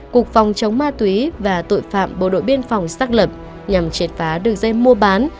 cục phòng chống ma túy và tội phạm bộ đội biên phòng xác lập nhằm triệt phá đường dây mua bán